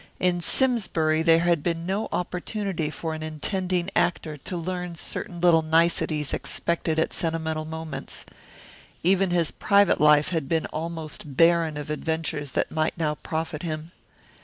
In Simsbury there had been no opportunity for an intending actor to learn certain little niceties expected at sentimental moments. Even his private life had been almost barren of adventures that might now profit him.